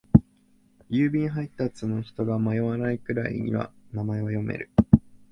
郵便配達の人が迷わないくらいには名前は読める。